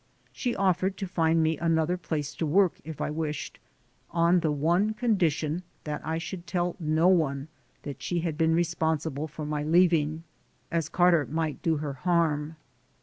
She offered to find me another place to work if I wished, on the one condition that I should tell no one that she had been responsible for my leaving, as Carter might do her harm.